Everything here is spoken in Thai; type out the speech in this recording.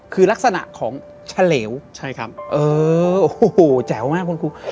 คือลักษณะของเฉลวแจ๋วมากคุณครู